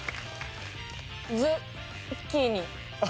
ズッキーニ。